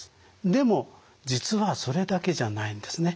でも実はそれだけじゃないんですね。